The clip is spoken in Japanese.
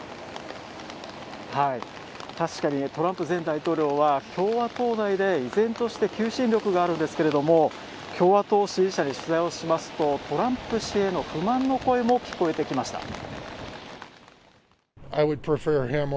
確かにトランプ前大統領は共和党内で依然として求心力があるんですけども共和党支持者に取材をしますと、トランプ氏への不満の声も聞こえてきました。